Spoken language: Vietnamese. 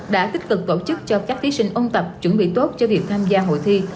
đã tích cực tổ chức cho các thí sinh ôn tập chuẩn bị tốt cho việc tham gia hội thi